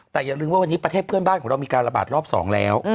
แต่อย่าลืมว่าวันนี้ประเทศเพื่อนบ้านของเรามีการระบาดรอบ๒แล้ว